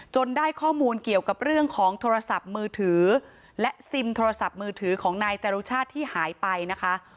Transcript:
ได้ข้อมูลเกี่ยวกับเรื่องของโทรศัพท์มือถือและซิมโทรศัพท์มือถือของนายจรุชาติที่หายไปนะคะ